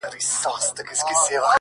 زما د سرڅښتنه اوس خپه سم که خوشحاله سم؛